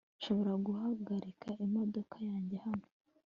nshobora guhagarika imodoka yanjye hano